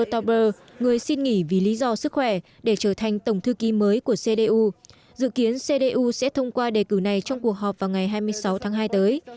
talber người xin nghỉ vì lý do sức khỏe để trở thành tổng thư ký mới của cdu dự kiến cdu sẽ thông qua đề cử này trong cuộc họp vào ngày hai mươi sáu tháng hai tới